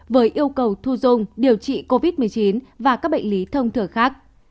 với yêu cầu thu dung điều trị covid một mươi chín và các bệnh lý thông thường khác